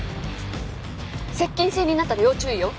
接近戦になったら要注意よ。